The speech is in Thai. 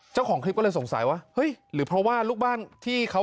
เจ้าของคลิปก็เลยสงสัยว่าเฮ้ยหรือเพราะว่าลูกบ้านที่เขา